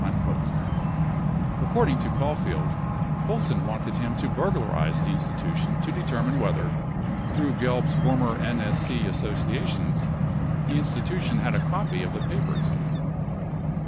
27 According to Caulfield, Colson wanted him to burglarize the Institution to determine whether, through Gelb's former NSC associations, the Institution had a copy of the papers.